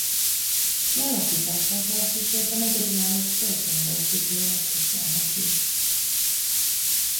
Kialakítását elsősorban egyedülálló földtani értékeinek köszönheti.